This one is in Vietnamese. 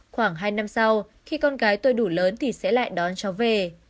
khoảng hai năm sau khi con gái tôi đủ lớn thì sẽ lại đón cháu về